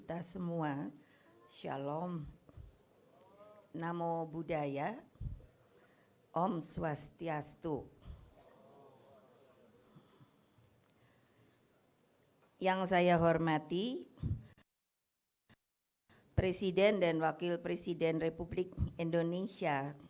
assalamu'alaikum warahmatullahi wabarakatuh